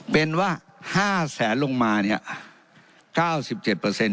เป็นว่าห้าแสนลงมาเนี้ยเก้าสิบเจ็ดเปอร์เซ็นต์